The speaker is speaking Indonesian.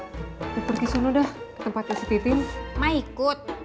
start pergi sudah tempatnya setitim maikut